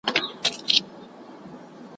پر دې ستړو رباتونو کاروانونه به ورکیږي ,